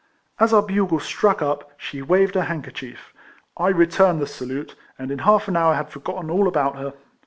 As our bugles struck up, she waved her handkerchief; I returned the salute, and in half an hour had forgotten all about her.